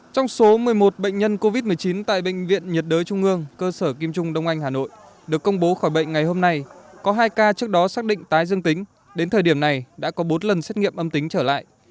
trong số một mươi một bệnh nhân covid một mươi chín tại bệnh viện nhiệt đới trung ương cơ sở kim trung đông anh hà nội được công bố khỏi bệnh ngày hôm nay có hai ca trước đó xác định tái dương tính đến thời điểm này đã có bốn lần xét nghiệm âm tính trở lại